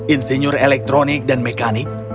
insinyur elektronik dan mekanik